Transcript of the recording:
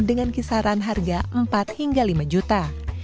dengan kisaran harga empat hingga lima juta